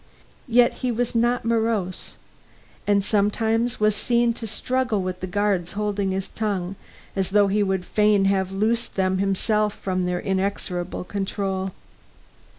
Yet he was not morose, and sometimes was seen to struggle with the guards holding his tongue, as though he would fain have loosed himself from their inexorable control.